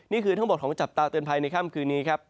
นี่คือทั้งหมดของจับตาเตือนภัยในค่ำคืนนี้ครับ